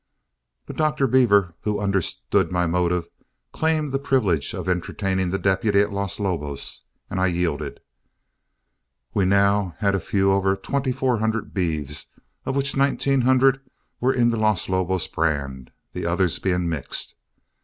But Dr. Beaver, who understood my motive, claimed the privilege of entertaining the deputy at Los Lobos, and I yielded. We now had a few over twenty four hundred beeves, of which nineteen hundred were in the Los Lobos brand, the others being mixed.